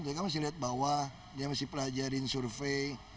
dia kan masih lihat bawah dia masih pelajarin survei